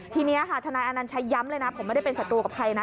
ทีนี้ฐอชัยย้ำเลยนะผมไม่ได้เป็นศัตรูกับใครนะ